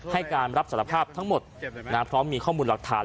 ให้การรับสารภาพทั้งหมดพร้อมมีข้อมูลหลักฐาน